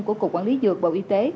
của cục quản lý dược bộ y tế